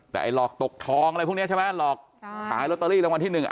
แต่ไอ้หลอกตกทองอะไรพวกนี้ใช่ไหมหลอกขายลอตเตอรี่รางวัลที่หนึ่งอ่ะ